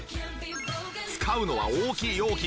使うのは大きい容器。